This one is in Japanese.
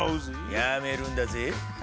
やめるんだぜぇ。